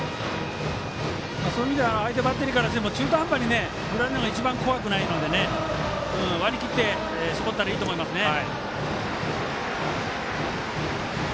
相手のバッテリーからすれば中途半端に振られるのが一番怖くないので割り切って絞ったらいいと思いますね。